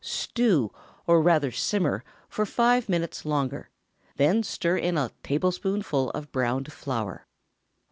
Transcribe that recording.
Stew, or rather simmer, for five minutes longer—then stir in a tablespoonful of browned flour.